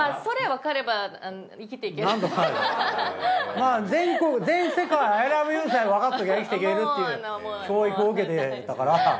まぁ全世界「アイラブユー」さえわかっときゃ生きていけるっていう教育を受けてたから。